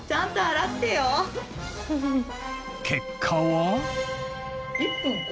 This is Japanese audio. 結果は？